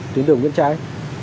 tuyến đường bên trái